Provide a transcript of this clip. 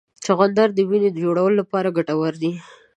چغندر د وینې جوړولو لپاره ګټور دی.